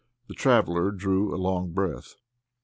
The traveller drew a long breath.